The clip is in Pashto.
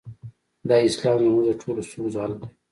دا اسلام زموږ د ټولو ستونزو حل دی.